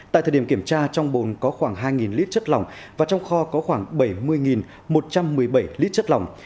tại thời điểm kiểm tra trong bồn có khoảng hai lít chất lỏng và trong kho có khoảng bảy mươi một trăm một mươi bảy lít chất lỏng